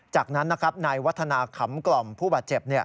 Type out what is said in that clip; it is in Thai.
จากนั้นนะครับนายวัฒนาขำกล่อมผู้บาดเจ็บ